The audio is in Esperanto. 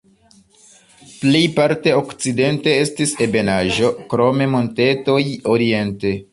Plejparte okcidente estis ebenaĵo, krome montetoj oriente.